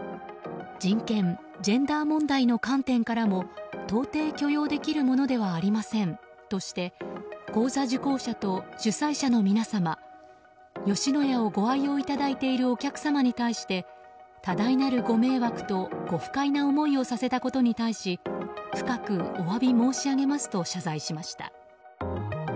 人権・ジェンダー問題の観点からも到底許容できるものではありませんとして講座受講者と主催者の皆様吉野家をご愛用いただいているお客様に対して多大なるご迷惑とご不快な思いをさせたことに対し深くお詫び申し上げますと謝罪しました。